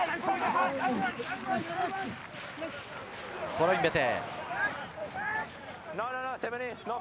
コロインベテ。